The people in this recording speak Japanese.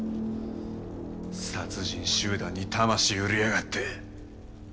殺人集団に魂売りやがって。